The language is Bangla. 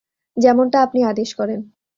যেমনটা আপনি আদেশ করেন!